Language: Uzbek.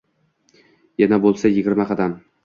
Yana boʻlmasa, yigirma qadam